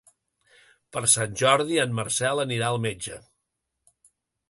Per Sant Jordi en Marcel anirà al metge.